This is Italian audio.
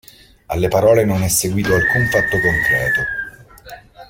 Alle parole non è seguito alcun fatto concreto.